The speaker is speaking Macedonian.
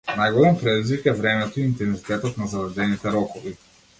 Најголем предизвик е времето и интензитетот на зададените рокови.